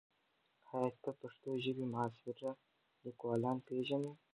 ایا ته د پښتو ژبې معاصر لیکوالان پېژنې؟